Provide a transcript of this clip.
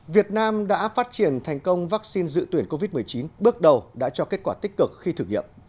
việt nam đã phát triển thành công vaccine dự tuyển covid một mươi chín bước đầu đã cho kết quả tích cực khi thử nghiệm